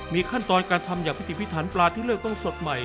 มีขั้นตอนการทำอย่างพิธีพิถันปลาที่เลือกต้องสดใหม่